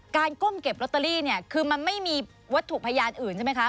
ก้มเก็บลอตเตอรี่เนี่ยคือมันไม่มีวัตถุพยานอื่นใช่ไหมคะ